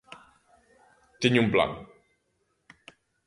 Teño un plan.